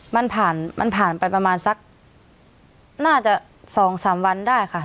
มันผ่านไปประมาณสักน่าจะ๒๓วันได้ค่ะ